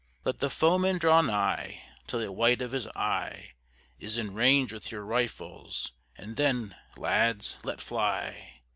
"Let the Foeman draw nigh, Till the white of his Eye Is in range with your Rifles, and then, Lads, let fly!